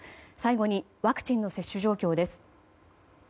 最後にワクチンの接種状況です。